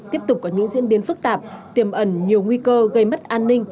tiếp tục có những diễn biến phức tạp tiềm ẩn nhiều nguy cơ gây mất an ninh